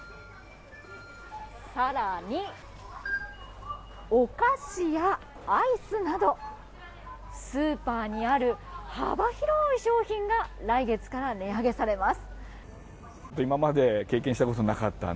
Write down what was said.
更に、お菓子やアイスなどスーパーにある幅広い商品が来月から値上げされます。